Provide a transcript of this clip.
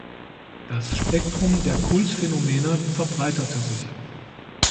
Das Spektrum der Kult-Phänomene verbreiterte sich.